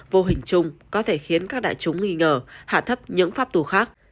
vô hình chung có thể khiến các đại chúng nghi ngờ hạ thấp những pháp tù khác